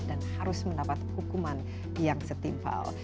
dan harus mendapat hukuman yang setimpal